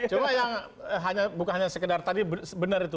coba yang bukan hanya sekedar tadi